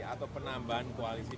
atau penambahan koalisi